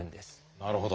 なるほど。